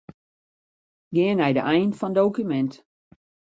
Gean nei de ein fan dokumint.